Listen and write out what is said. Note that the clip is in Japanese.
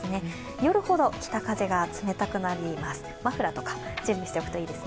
夜ほど北風が冷たくなります。